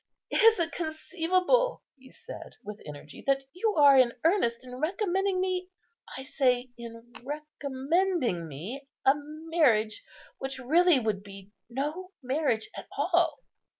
"Is it conceivable," he said, with energy, "that you are in earnest in recommending me—I say in recommending me—a marriage which really would be no marriage at all?"